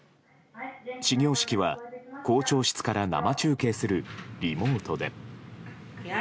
始業式は校長室から生中継するリモートで。